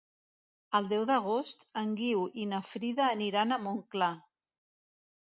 El deu d'agost en Guiu i na Frida aniran a Montclar.